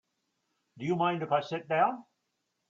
Do you mind if I sit down?